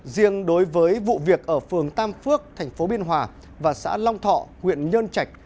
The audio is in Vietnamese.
riêng đối với vụ việc ở phường tam phước thành phố biên hòa và xã long thọ huyện nhơn trạch